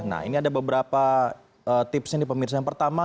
nah ini ada beberapa tipsnya di pemirsa yang pertama